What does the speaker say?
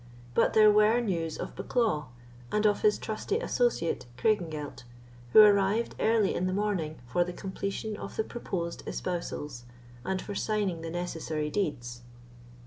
But there were news of Bucklaw, and of his trusty associate Craigengelt, who arrived early in the morning for the completion of the proposed espousals, and for signing the necessary deeds.